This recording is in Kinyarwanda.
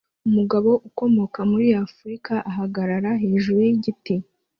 Umugabo ukomoka muri Afurika ahagarara hejuru yigiti